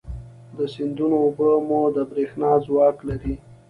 د سیندونو اوبه مو د برېښنا ځواک لري.